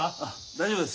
大丈夫です。